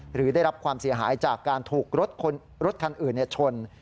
หรือได้รับความเสียหายจากการถูกรถคันอื่นชน